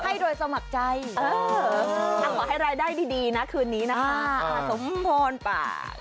ให้โดยสมัครใจขอให้รายได้ดีนะคืนนี้นะคะสมพรป่า